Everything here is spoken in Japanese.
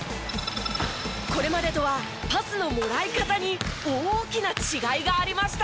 これまでとはパスのもらい方に大きな違いがありました。